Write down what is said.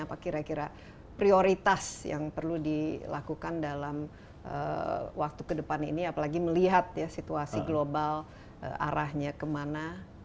apa kira kira prioritas yang perlu dilakukan dalam waktu ke depan ini apalagi melihat situasi global arahnya kemana